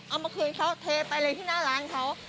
เอามาคืนเขาเทไปเลยที่หน้าร้านเขา